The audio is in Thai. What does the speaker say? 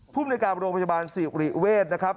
ผู้บริการไว้โรงพยาบาลสิริเวทนะครับ